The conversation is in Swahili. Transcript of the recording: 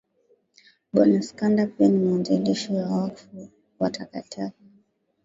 Bwana Skanda pia ni mwanzilishi wa Wakfu wa TakaTaka